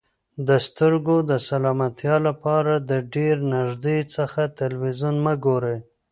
د سترګو د سلامتیا لپاره د ډېر نږدې څخه تلویزیون مه ګورئ.